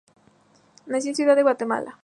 Nació en la Ciudad de Guatemala.